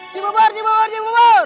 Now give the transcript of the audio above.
cibubur cibubur cibubur